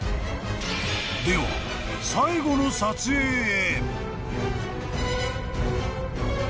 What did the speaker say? ［では最後の撮影へ］